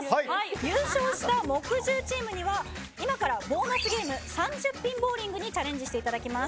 優勝した木１０チームには今からボーナスゲーム３０ピンボウリングにチャレンジしてもらいます。